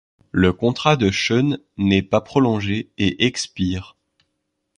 Le contrat de Sean n'est pas prolongé et expire.